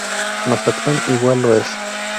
Mazatlán igual lo es.